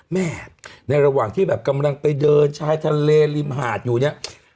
ในระหว่างที่แบบกำลังไปเดินชายทะเลริมหาดอยู่เนี่ย